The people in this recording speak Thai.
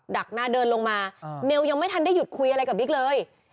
ักหน้าเดินลงมาเนลยังไม่ทันได้หยุดคุยอะไรกับบิ๊กเลย